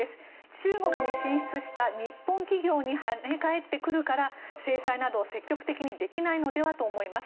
中国に進出した日本企業に跳ね返ってくるから制裁など積極的にできないのではと思います。